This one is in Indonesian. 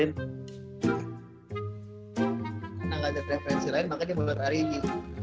karena gak ada referensi lain makanya dia mau liat ari gi